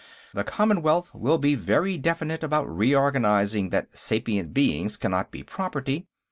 "The Commonwealth will be very definite about recognizing that sapient beings cannot be property.